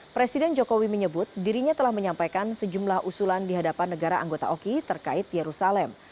presiden jokowi menyebut dirinya telah menyampaikan sejumlah usulan di hadapan negara anggota oki terkait yerusalem